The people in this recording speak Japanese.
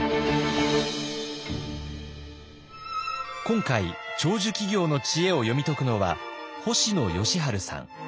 今回長寿企業の知恵を読み解くのは星野佳路さん。